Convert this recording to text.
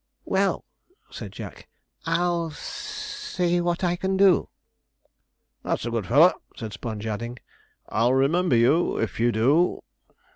'Well,' said Jack, 'I'll s s s see what I can do.' 'That's a good fellow,' said Sponge; adding, 'I'll remember you if you do.'